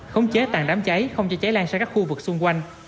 khống chế tàn đám cháy không cho cháy lan sang các khu vực xung quanh